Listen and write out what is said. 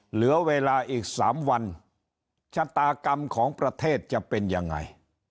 เหลือเวลาอีก๓วันชะตากรรมของประเทศจะเป็นยังไง